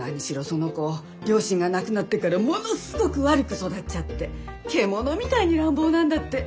その子両親が亡くなってからものすごく悪く育っちゃって獣みたいに乱暴なんだって。